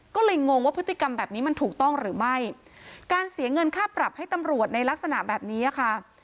ก็เลยงงว่าพฤติกรรมแบบนี้มันถูกต้องหรือไม่การเสียเงินค่าปรับให้ตำรวจในลักษณะแบบนี้ค่ะ